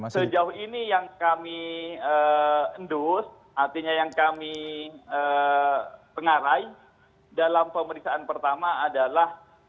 sejauh ini yang kami endus artinya yang kami pengarai dalam pemeriksaan pertama adalah